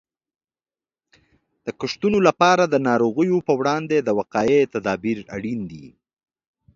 د کښتونو لپاره د ناروغیو په وړاندې د وقایې تدابیر اړین دي.